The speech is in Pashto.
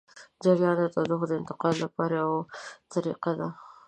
جریان د تودوخې د انتقالولو لپاره یوه طریقه ده.